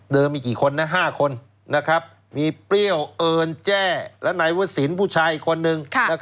เดิมมีกี่คนนะ๕คนมีเปรี้ยวเติร์นแจ้และไหนว่าสินผู้ชายอีกคนนึง